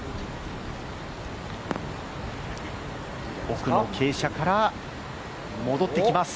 奥の傾斜から戻ってきます。